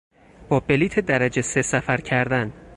با بلیط درجه سه سفر کردن